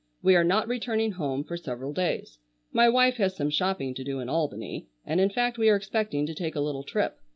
We are not returning home for several days. My wife has some shopping to do in Albany, and in fact we are expecting to take a little trip.